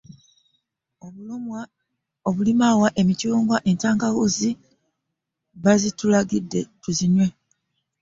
Obulimaawa, emicungwa entangawuuzi bazitulagidde tuzinywe.